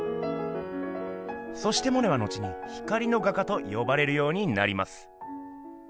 そしてモネは後に「光の画家」と呼ばれるようになります。